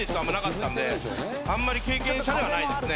あんまり経験者ではないですね。